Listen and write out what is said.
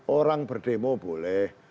orang berdemo boleh